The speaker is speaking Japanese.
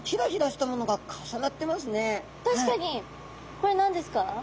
これ何ですか？